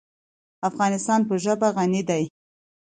افغانستان په ژبې غني دی.